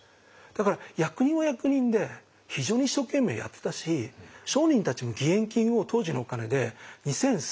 だから役人は役人で非常に一生懸命やってたし商人たちも義援金を当時のお金で２，３００両集めてるの。